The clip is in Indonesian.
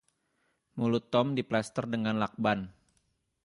Mulut Tom diplester dengan lakban.